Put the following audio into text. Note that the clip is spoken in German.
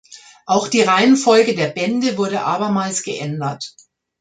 Auch die Reihenfolge der Bände wurde abermals geändert.